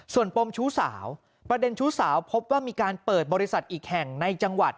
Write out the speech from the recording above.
ส่วนปมชู้สาวประเด็นชู้สาวพบว่ามีการเปิดบริษัทอีกแห่งในจังหวัด